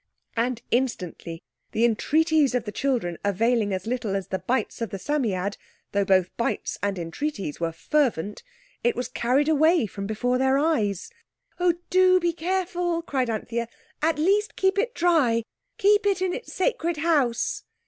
And instantly, the entreaties of the children availing as little as the bites of the Psammead, though both bites and entreaties were fervent, it was carried away from before their eyes. "Oh, do be careful!" cried Anthea. "At least keep it dry! Keep it in its sacred house!"